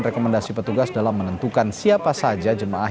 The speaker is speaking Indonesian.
rekomendasi petugas dalam menentukan siapa saja jemaah